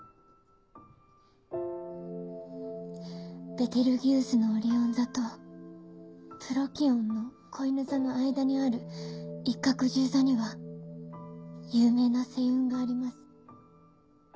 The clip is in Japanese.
ベテルギウスのオリオン座とプロキオンのこいぬ座の間にあるいっかくじゅう座には有名な星雲があります。